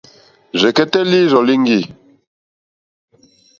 Rzɛ̀kɛ́tɛ́ lǐrzɔ̀ líŋɡî.